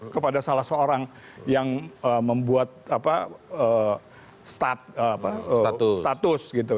kepada salah seorang yang membuat status gitu